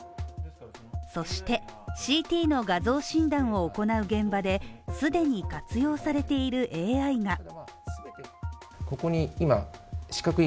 そしてＣＴの画像診断を行う現場で既に活用されているＡＩが。